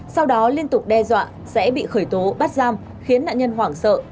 sau đó liên tục đe dọa sẽ bị khởi tố bắt giam khiến nạn nhân hoảng sợ